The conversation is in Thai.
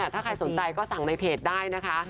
ถ้าใครสนใจก็สั่งในเพจได้นะคะ